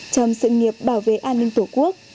trong sự nghiệp bảo vệ an ninh tổ quốc